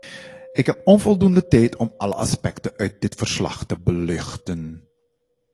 Ik heb onvoldoende tijd om alle aspecten uit dit verslag te belichten.